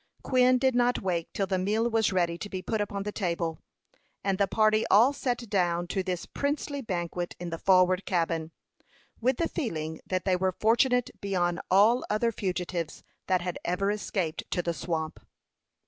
Quin did not wake till the meal was ready to be put upon the table; and the party all sat down to this princely banquet in the forward cabin, with the feeling that they were fortunate beyond all other fugitives that had ever escaped to the swamp.